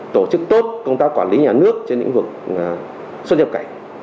tổ chức tốt công tác quản lý nhà nước trên lĩnh vực xuất nhập cảnh